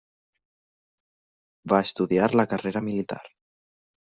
Va estudiar la carrera militar.